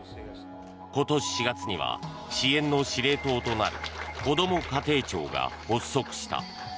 今年４月には支援の司令塔となるこども家庭庁が発足した。